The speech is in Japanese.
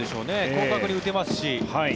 広角に打てますし。